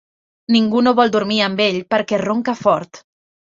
Ningú no vol dormir amb ell perquè ronca fort.